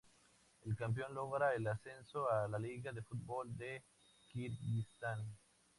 El campeón logra el ascenso a la Liga de fútbol de Kirguistán.